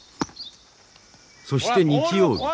そして日曜日。